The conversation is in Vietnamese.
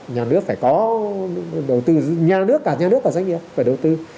nhà nước phải có đầu tư nhà nước cả nhà nước và doanh nghiệp phải đầu tư